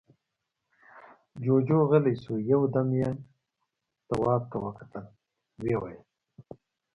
جُوجُو غلی شو، يو دم يې تواب ته وکتل، ويې ويل: